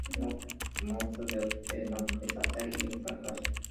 Un mozo de hotel, una mujer fatal y un fracaso.